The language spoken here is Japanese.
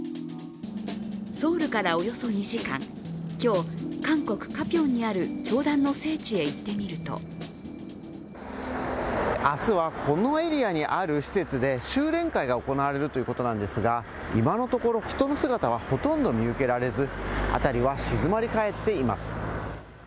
ソウルからおよそ２時間、今日韓国・カピョンにある教団の聖地へ行ってみると明日はこのエリアにある施設で修練会が行われるということなんですが今のところ、人の姿はほとんど見受けられず辺りは静まり返っています。